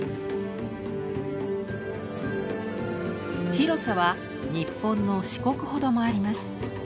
広さは日本の四国ほどもあります。